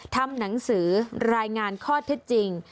ทำหนังสือรายงานข้อเท็จจริง